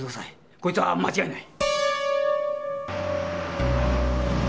こいつは間違いない！